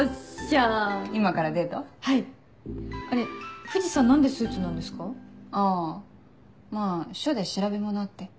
あぁまぁ署で調べ物あって。